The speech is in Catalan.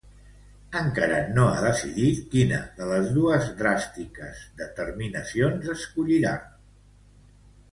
Encara no ha decidit quina de les dues dràstiques determinacions escollirà.